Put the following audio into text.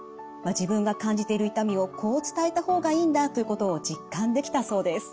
自分が感じている痛みをこう伝えた方がいいんだということを実感できたそうです。